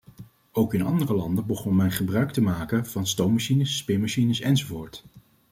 Ook in andere landen begon men gebruikt te maken van stoommachines, spinmachines enzovoort.